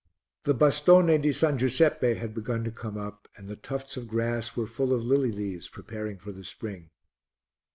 The bastone di S. Giuseppe had begun to come up and the tufts of grass were full of lily leaves preparing for the spring.